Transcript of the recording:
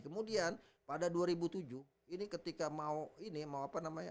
kemudian pada dua ribu tujuh ini ketika mau ini mau apa namanya